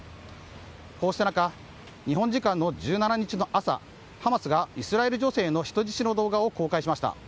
こうした中、日本時間の１７日朝ハマスがイスラエル女性の人質の動画を公開しました。